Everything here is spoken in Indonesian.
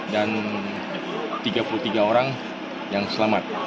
dan tiga puluh tiga orang yang selamat